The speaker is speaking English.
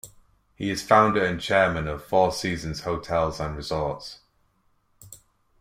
He is founder and chairman of Four Seasons Hotels and Resorts.